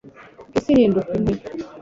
isi ihinduka inkwi